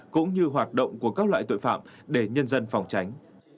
cũng như hoạt động của các loại tội phạm để nhân dân phòng tránh